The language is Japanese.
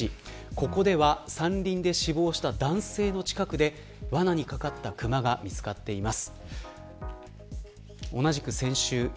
ここでは山林で死亡した男性の近くで罠にかかったクマが見つかっています。